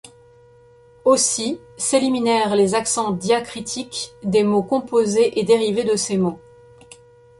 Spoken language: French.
Aussi, s'éliminèrent les accents diacritiques des mots composés et dérivés de ces mots.